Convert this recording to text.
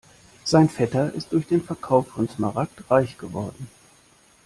Sein Vetter ist durch den Verkauf von Smaragd reich geworden.